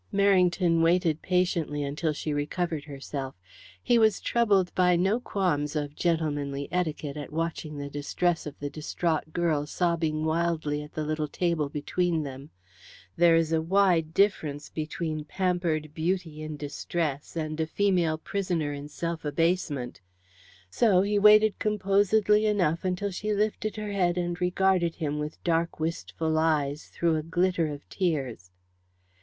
Merrington waited patiently until she recovered herself. He was troubled by no qualms of gentlemanly etiquette at watching the distress of the distraught girl sobbing wildly at the little table between them. There is a wide difference between pampered beauty in distress and a female prisoner in self abasement. So he waited composedly enough until she lifted her head and regarded him with dark wistful eyes through a glitter of tears.